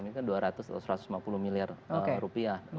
ini kan dua ratus atau satu ratus lima puluh miliar rupiah